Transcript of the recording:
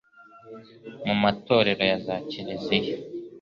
mu matorero ya za kiriziya,